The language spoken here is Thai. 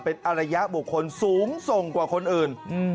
เป็นอารยบุคคลสูงส่งกว่าคนอื่น